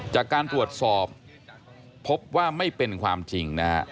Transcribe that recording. จากการตรวจสอบพบว่าไม่เป็นความจริงนะฮะ